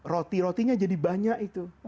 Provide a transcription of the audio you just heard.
roti rotinya jadi banyak itu